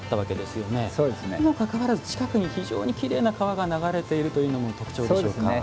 にもかかわらず近くに非常にきれいな川が流れているというのも特徴でしょうか。